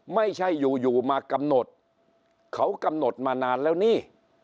ไม่ใช่อยู่อยู่มากำหนดเขากำหนดมานานแล้วนี่